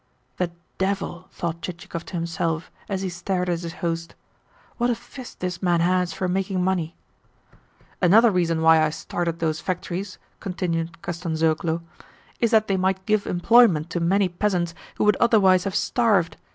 "The devil!" thought Chichikov to himself as he stared at his host. "What a fist this man has for making money!" "Another reason why I started those factories," continued Kostanzhoglo, "is that they might give employment to many peasants who would otherwise have starved.